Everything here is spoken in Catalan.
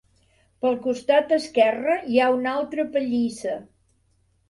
Pel costat esquerre hi ha una altra pallissa.